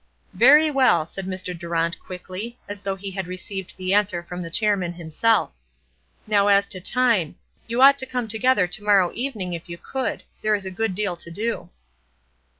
"Very well," said Mr. Durant, quickly, as though he had received the answer from the chairman himself. "Now as to time; you ought to come together to morrow evening if you could; there is a good deal to do."